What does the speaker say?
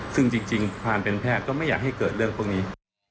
ซึ่งจริงความเป็นแพทย์ก็ไม่อยากให้เกิดเรื่องพวกนี้